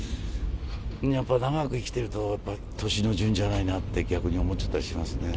やっぱり長く生きていると年の順じゃないなって逆に思っちゃったりしますね。